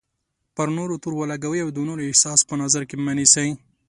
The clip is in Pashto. پر نورو تور ولګوئ او د نورو احساس په نظر کې مه نیسئ.